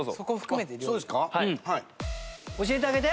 教えてあげて。